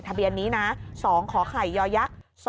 ทะเบียนนี้นะ๒ขอไข่ยอยะ